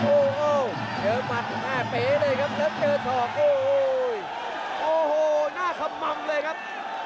โอ้โหเหลือมัดหน้าเป๋เลยครับเหลือเกลือสอบโอ้โหโอ้โหหน้าขม่ำเลยครับ